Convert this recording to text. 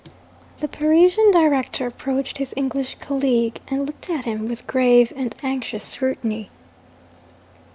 The Parisian director approached his English colleague, and looked at him with grave and anxious scrutiny.